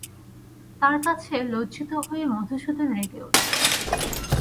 তার কাছে লজ্জিত হয়ে মধুসূদন রেগে উঠল।